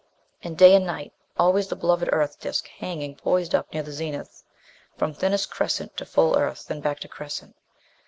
And day and night, always the beloved Earth disc hanging poised up near the zenith. From thinnest crescent to full Earth, then back to crescent.